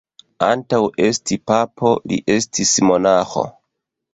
Antaŭ esti papo, li estis monaĥo.